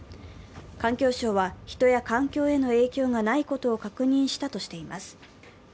環境省は人や環境への影響がないことを確認したとしています。